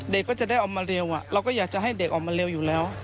ก็จะได้ออกมาเร็วเราก็อยากจะให้เด็กออกมาเร็วอยู่แล้ว